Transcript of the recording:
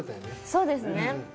そうですね。